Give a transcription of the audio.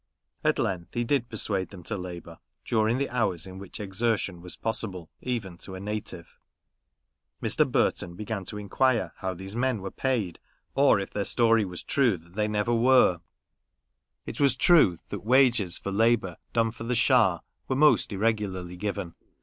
At length he did persuade them to labour, during the hours in which exertion was possible, even to a native. Mr. Burton began to inquire how these men were paid, or if their story was true, that they never were. It was true that wages for labour done for the Schah were most irregularly given.